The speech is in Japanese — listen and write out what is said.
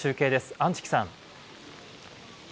安食さん。